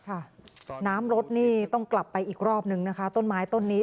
น้ำรถนี่ต้องกลับไปอีกรอบนึงนะคะต้นไม้ต้นนี้